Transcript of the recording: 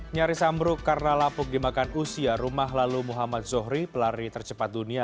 nyaris ambruk karena lapuk dimakan usia rumah lalu muhammad zohri pelari tercepat dunia